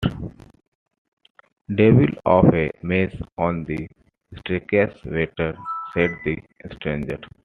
‘Devil of a mess on the staircase, waiter,’ said the stranger.